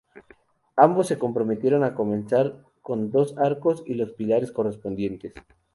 Ambos se comprometieron a comenzar con dos arcos y los pilares correspondientes.